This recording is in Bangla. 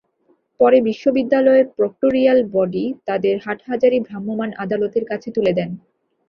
পরে বিশ্ববিদ্যালয়ের প্রক্টরিয়াল বডি তাদের হাটহাজারী ভ্রাম্যমাণ আদালতের কাছে তুলে দেন।